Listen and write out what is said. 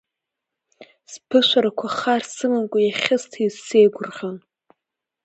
Сԥышәарақәа хар сымамкәа иахьысҭиз, сеигәырӷьон…